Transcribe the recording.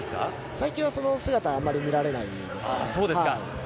最近はその姿はあまり見られないですね。